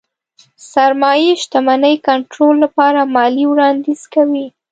سرمايې شتمنۍ کنټرول لپاره ماليې وړانديز کوي.